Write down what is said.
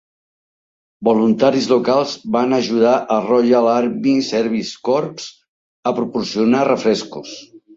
Voluntaris locals van ajudar el Royal Army Service Corps a proporcionar refrescos.